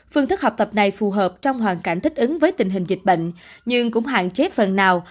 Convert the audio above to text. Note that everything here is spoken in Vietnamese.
phương thức học tập này phù hợp trong hoàn cảnh thích ứng với tình hình dịch bệnh nhưng cũng hạn chế phần nào